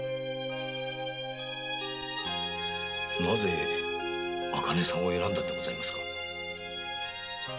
なぜ茜さんを選んだのでございますか？